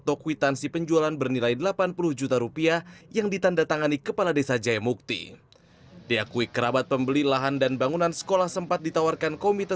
ini tanah misalkan bisa dijual ingin saya miliki tapi kalau tidak bisa dijual saya ingin uang kembali kepada kakak saya